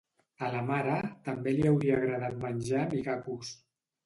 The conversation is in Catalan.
A la mare també li hauria agradat menjar micacos